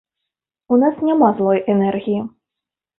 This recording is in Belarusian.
У нас няма злой энергіі.